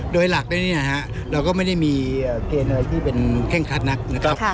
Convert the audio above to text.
โดยหลักเราก็ไม่ได้มีเกณฑ์อะไรที่แข้งคัดนะครับ